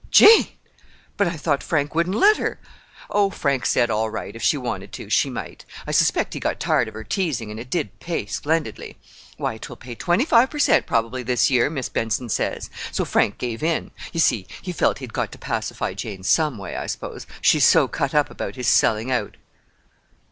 "Jane!—but I thought Frank wouldn't let her." "Oh, Frank said all right, if she wanted to, she might. I suspect he got tired of her teasing, and it did pay splendidly. Why, 'twill pay twenty five per cent, probably, this year, Mis' Benson says. So Frank give in. You see, he felt he'd got to pacify Jane some way, I s'pose, she's so cut up about his selling out."